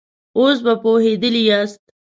اوس به پوهېدلي ياست.